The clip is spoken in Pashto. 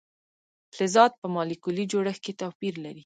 فلزات په مالیکولي جوړښت کې توپیر لري.